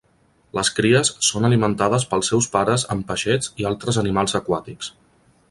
Les cries són alimentades pels seus pares amb peixets i altres animals aquàtics.